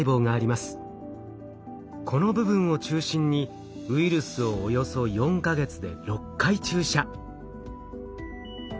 この部分を中心にウイルスをおよそ４か月で６回注射。